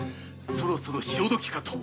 そろそろ潮時かと。